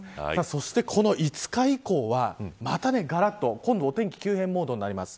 そして、この５日以降はまたがらっと今度は、お天気急変モードになります。